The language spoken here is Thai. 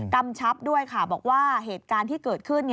กำชับด้วยค่ะบอกว่าเหตุการณ์ที่เกิดขึ้น